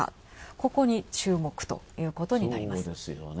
ここに注目ということになります。